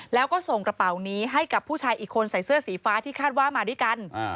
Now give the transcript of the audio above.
แล้วก็ส่งกระเป๋านี้ให้กับผู้ชายอีกคนใส่เสื้อสีฟ้าที่คาดว่ามาด้วยกัน